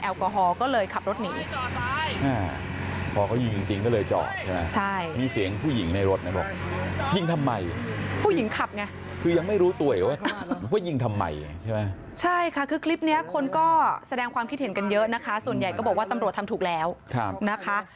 ว่ายิงทำไมใช่ไหมใช่ค่ะคือคลิปเนี้ยคนก็แสดงความคิดเห็นกันเยอะนะคะส่วนใหญ่ก็บอกว่าตำรวจทำถูกแล้วครับนะคะ